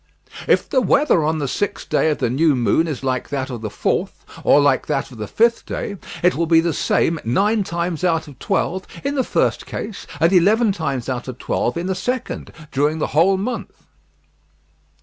"If the weather on the sixth day of the new moon is like that of the fourth, or like that of the fifth day, it will be the same nine times out of twelve, in the first case, and eleven times out of twelve in the second, during the whole month."